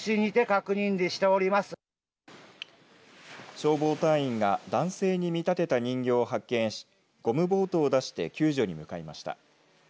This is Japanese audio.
消防隊員が男性に見立てた人形を発見しゴムボートを出して救助に向かいました。